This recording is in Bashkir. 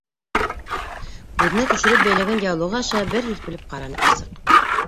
Күҙенә төшөрөп бәйләгән яулығы аша бер һирпелеп ҡараны ҡарсыҡ.